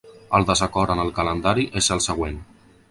El desacord en el calendari és el següent.